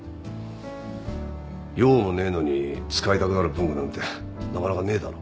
用もねえのに使いたくなる文具なんてなかなかねえだろ。